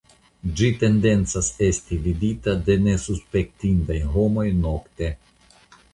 Ĝi tendencas esti vidita de nesuspektindaj homoj nokte.